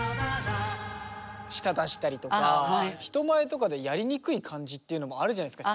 舌出したりとか人前とかでやりにくい感じっていうのもあるじゃないですか。